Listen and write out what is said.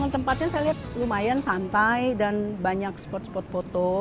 tempatnya saya lihat lumayan santai dan banyak spot spot foto